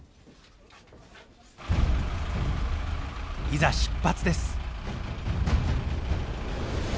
いざ出発です。